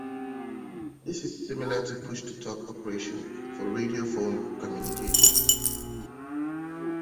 This is similar to Push-to-talk operation for radio phone communications.